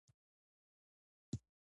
نو هماغه توکي بیا په ډېره اندازه تولیدوي